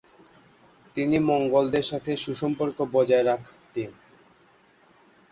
তিনি মঙ্গোলদের সাথে সুসম্পর্ক বজায় রাখতেন।